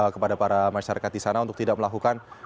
kepada para masyarakat di sana untuk tidak melakukan